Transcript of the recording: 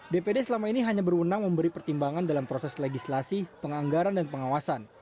dpd selama ini hanya berwenang memberi pertimbangan dalam proses legislasi penganggaran dan pengawasan